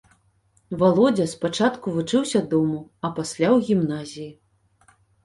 Валодзя спачатку вучыўся дома, а пасля ў гімназіі.